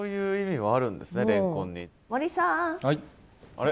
あれ？